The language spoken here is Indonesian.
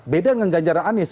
beda dengan ganjaran anies